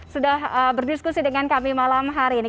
sudah berdiskusi dengan kami malam hari ini